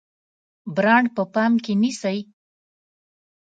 برانډ په پام کې نیسئ؟